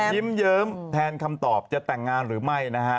ยิ้มเยิ้มแทนคำตอบจะแต่งงานหรือไม่นะฮะ